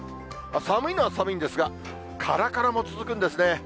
寒いのは寒いんですが、からからも続くんですね。